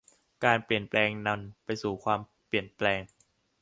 การเปลี่ยนแปลงนำไปสู่ความเปลี่ยนแปลง